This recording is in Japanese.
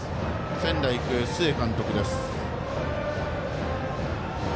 仙台育英、須江監督です。